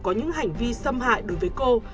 có những hành vi xâm hại đối với cô